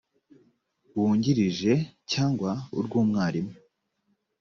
wungirije cyangwa urw umwarimu